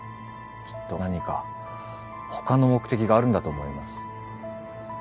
きっと何か他の目的があるんだと思います。